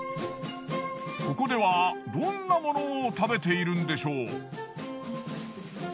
ここではどんなものを食べているんでしょう？